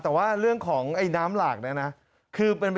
แต่ว่าเรื่องของน้ำหลากนั้น